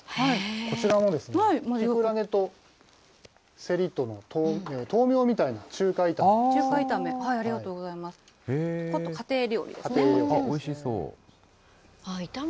こちらも、キクラゲとせりとのとうみょうみたいな、中華炒め。